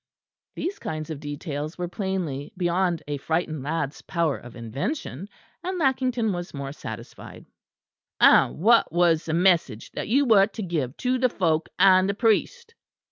These kinds of details were plainly beyond a frightened lad's power of invention, and Lackington was more satisfied. "And what was the message that you were to give to the folk and the priest?"